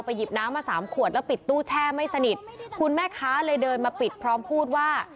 หยิบน้ำมาสามขวดแล้วปิดตู้แช่ไม่สนิทคุณแม่ค้าเลยเดินมาปิดพร้อมพูดว่า